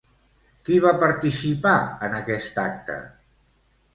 Qui va participar en aquest acte?